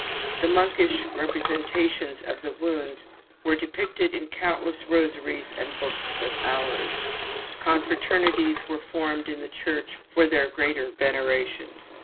The monkish representations of the wounds were depicted in countless rosaries and Books of Hours. Confraternities were formed in the Church for their greater veneration.